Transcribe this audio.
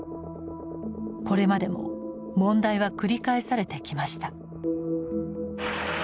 これまでも問題は繰り返されてきました。